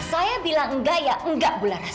saya bilang enggak ya enggak bulanan